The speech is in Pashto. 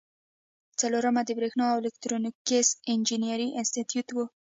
څلورمه د بریښنا او الکترونیکس انجینری انسټیټیوټ و.